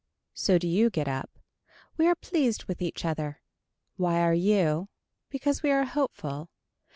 So do you get up. We are pleased with each other. Why are you. Because we are hopeful.